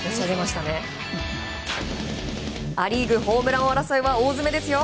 ア・リーグ、ホームラン王争いは大詰めですよ。